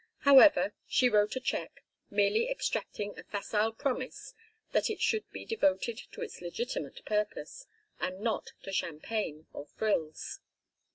However, she wrote a check, merely extracting a facile promise that it should be devoted to its legitimate purpose, and not to champagne or frills.